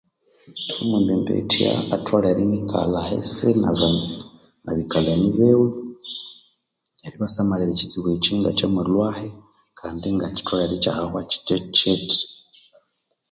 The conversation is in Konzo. Omwembembethya atholere inikalha nabandu biwe